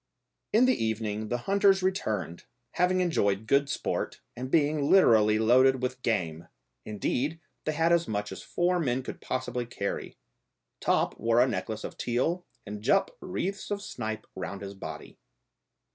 In the evening the hunters returned, having enjoyed good sport, and being literally loaded with game; indeed, they had as much as four men could possibly carry. Top wore a necklace of teal and Jup wreaths of snipe round his body.